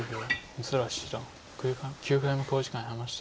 六浦七段９回目の考慮時間に入りました。